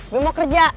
gue mau kerja